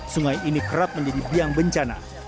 sungai ini kerap menjadi biang bencana